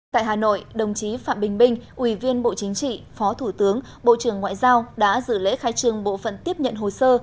tại hà nội đồng chí phạm bình minh ủy viên bộ chính trị phó thủ tướng bộ trưởng ngoại giao đã dự lễ khai trường bộ phận tiếp nhận hồ sơ